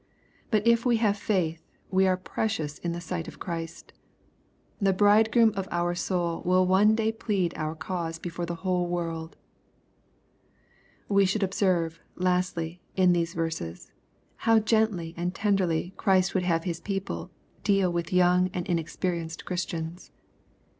But if we have faith, we are precious in the sight of Christ. The Bridegroom of our soul will one day plead our cause hefore the whole world. We should observe, lastly, in these verses, how gently and tenderly Christ would have His people deal with young and inexperienced Christians.